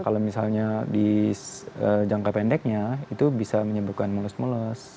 kalau misalnya di jangka pendeknya itu bisa menyebabkan mulus mulus